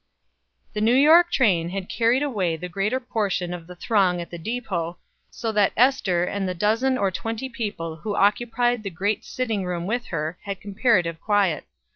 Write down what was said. The New York train had carried away the greater portion of the throng at the depot, so that Ester and the dozen or twenty people who occupied the great sitting room with her, had comparative quiet.